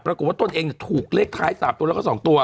ปรากฏว่าตัวเองถูกเลขท้ายสามตัวแล้วก็สองตัว